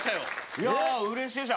いやうれしいです。